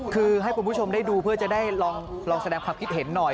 คือให้คุณผู้ชมได้ดูเพื่อจะได้ลองแสดงความคิดเห็นหน่อย